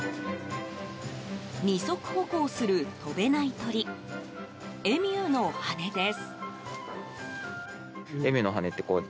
二足歩行する飛べない鳥エミューの羽です。